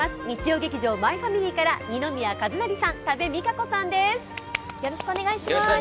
日曜劇場「マイファミリー」から二宮和也さん、多部未華子さんです